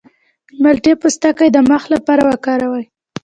د مالټې پوستکی د مخ لپاره وکاروئ